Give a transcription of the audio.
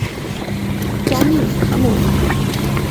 টমি, থামো!